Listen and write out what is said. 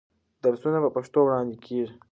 درسونه په پښتو وړاندې کېږي.